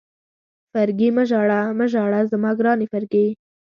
فرګي مه ژاړه، مه ژاړه زما ګرانې فرګي.